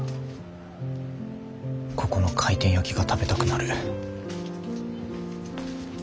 ここの回転焼きが食べたくなる。